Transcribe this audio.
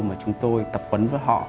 mà chúng tôi tập quấn với họ